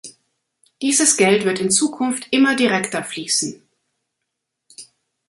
Dieses Geld wird in Zukunft immer direkter fließen.